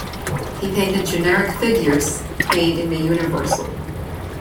He painted generic figures, creating the universal.